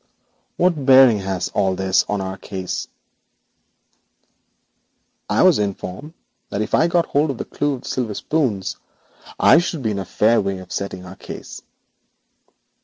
'What bearing has all this on our own case?' 'I was informed that if I got hold of the clue of the silver spoons I should be in a fair way of settling our case.'